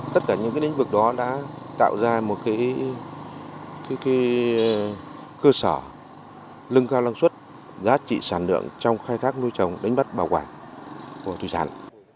tất cả những lĩnh vực đó đã tạo ra một cơ sở lưng cao năng suất giá trị sản lượng trong khai thác nuôi trồng đánh bắt bảo quản của thủy sản